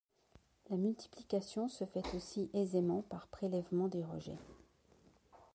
La multiplication se fait aussi aisément par prélèvement des rejets.